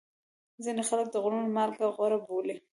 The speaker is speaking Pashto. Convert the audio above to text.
ځینې خلک د غرونو مالګه غوره بولي.